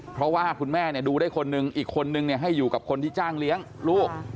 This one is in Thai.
เพราะว่าคุณแม่ดูได้คนหนึ่งอีกคนนึงให้อยู่กับคนที่จ้างเลี้ยงลูก